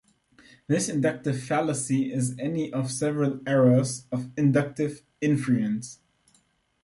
This inductive fallacy is any of several errors of inductive inference.